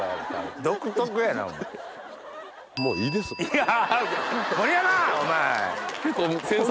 いや。